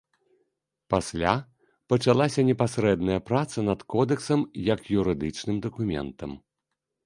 Пасля пачалася непасрэдная праца над кодэксам як юрыдычным дакументам.